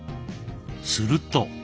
すると。